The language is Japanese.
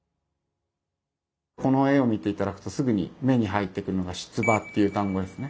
この絵を見て頂くとすぐに目に入ってくるのが「出馬」っていう単語ですね。